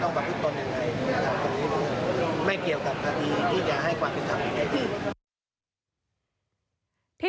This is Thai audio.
จะต้องปรากฏตนอย่างไรมันไม่เกี่ยวกับคดีที่จะให้ความผิดคำไว้ใกล้ที่